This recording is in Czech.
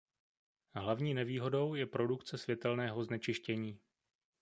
Hlavní nevýhodou je produkce světelného znečištění.